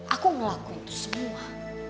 aku ngelakuin itu semua